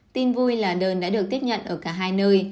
tin vui là đơn đã được tiếp nhận ở cả hai nơi